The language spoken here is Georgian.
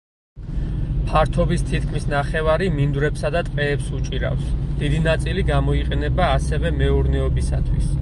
ფართობის თითქმის ნახევარი მინდვრებსა და ტყეებს უჭირავს, დიდი ნაწილი გამოიყენება ასევე მეურნეობისათვის.